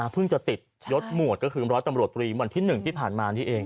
เพิ่งจะติดยศร้อยตำรวจตีเมื่อวันที่๑ที่ผ่านมานี่เอง